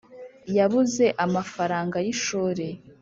Yabuze amafaranga y’ishuri